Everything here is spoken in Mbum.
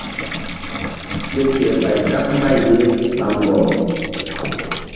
Ke kerɓay káɓ mbay ye ɓa ŋgɔh.